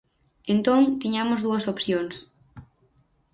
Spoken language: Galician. Entón tiñamos dúas opcións.